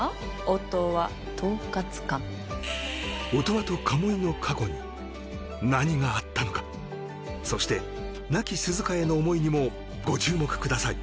音羽統括官音羽と鴨居の過去に何があったのかそして亡き涼香への思いにもご注目ください